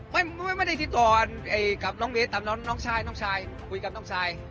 ไม่ไม่ไม่ได้ติดต่อกับน้องเบสตามน้องน้องชายน้องชายคุยกับน้องชาย